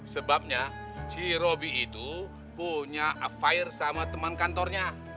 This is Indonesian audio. sebabnya si robi itu punya affair sama teman kantornya